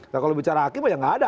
nah kalau bicara hakim ya nggak ada